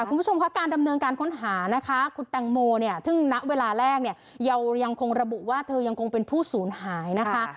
คุณผู้ชมคะการดำเนินการค้นหานะคะคุณแตงโมเนี่ยซึ่งณเวลาแรกเนี่ยเรายังคงระบุว่าเธอยังคงเป็นผู้สูญหายนะคะ